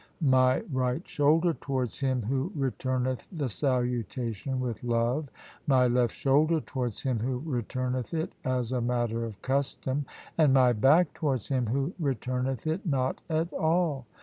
my right shoulder towards him who returneth the salutation with love, my left shoulder towards him who returneth it as a matter of custom, and my back towards him who returneth it not at all.